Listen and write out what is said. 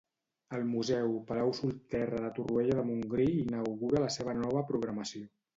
El museu Palau Solterra de Torroella de Montgrí inaugura la seva nova programació.